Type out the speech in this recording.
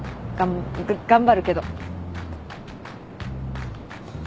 がっ頑張るけど。